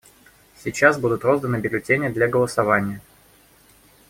Сейчас будут розданы бюллетени для голосования.